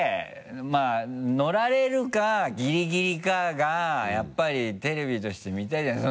まぁ乗られるかギリギリかがやっぱりテレビとして見たいじゃん。